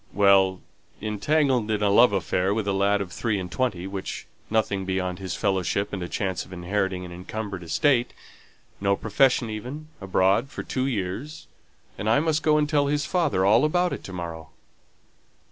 "Well, entangled in a love affair with a lad of three and twenty, with nothing beyond his fellowship and a chance of inheriting an encumbered estate; no profession even, abroad for two years, and I must go and tell his father all about it to morrow."